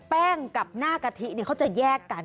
แป้งกับหน้ากะทิเขาจะแยกกัน